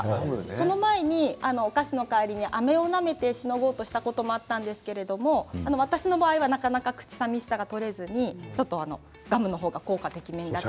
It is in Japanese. その前にお菓子の代わりにあめをなめてしのごうとしたこともあったんですが私の場合はなかなか口さみしさが取れずにガムの方が効果てきめんでした。